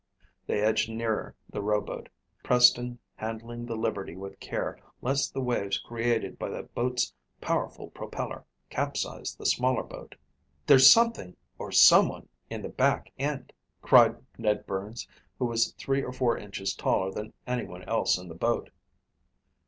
They edged nearer the rowboat, Preston handling the Liberty with care lest the waves created by the boat's powerful propeller capsize the smaller boat. "There's something or someone in the back end," cried Ned Burns, who was three or four inches taller than anyone else in the boat.